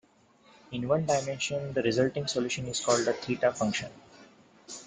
In one dimension, the resulting solution is called a theta function.